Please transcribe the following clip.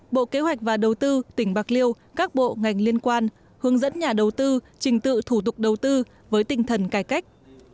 bộ kế hoạch và đầu tư tỉnh bạc liêu các bộ ngành liên quan hướng dẫn nhà đầu tư trình tự thủ tục đầu tư với tinh thần cải cách